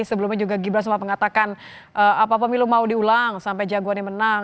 sebelumnya juga gibran sempat mengatakan apa pemilu mau diulang sampai jagoannya menang